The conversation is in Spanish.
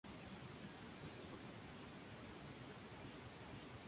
Es propietaria de un pequeño negocio proveedor de la empresa inmobiliaria de Marta.